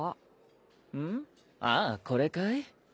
ああこれかい？